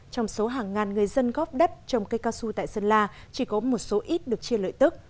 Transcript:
trong số hàng ngàn người dân góp đất trồng cây cao su tại sơn la chỉ có một số ít được chia lợi tức